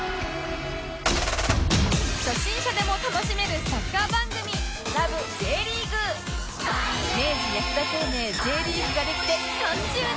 初心者でも楽しめるサッカー番組明治安田生命 Ｊ リーグができて３０年！